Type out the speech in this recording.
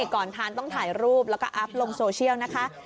ก่อนทานต้องถ่ายรูปแล้วก็อัพลงโซเชียลนะคะ